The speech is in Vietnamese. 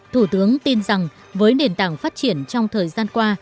thủ tướng tin rằng với nền tảng phát triển trong thời gian qua